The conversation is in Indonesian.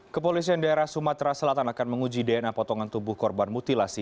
kepolisian daerah sumatera selatan akan menguji dna potongan tubuh korban mutilasi